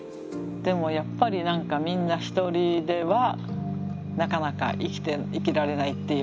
でもやっぱり何かみんな一人ではなかなか生きられないっていうか。